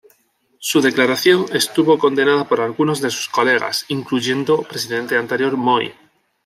Su declaración estuvo condenada por algunos de sus colegas, incluyendo presidente anterior Moi.